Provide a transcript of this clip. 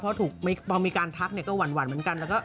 พอมีการทักก็หวั่นเหมือนกัน